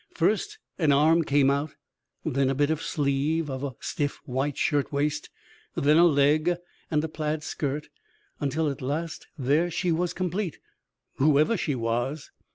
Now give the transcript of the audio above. First an arm came out, then a bit of sleeve of a stiff white shirtwaist, then a leg and a plaid skirt, until at last there she was complete, whoever she was.